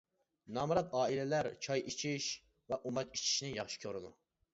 نامرات ئائىلىلەر چاي ئىچىش ۋە ئۇماچ ئىچىشنى ياخشى كۆرىدۇ.